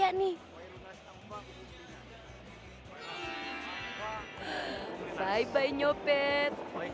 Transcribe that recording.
wah ini kaya banget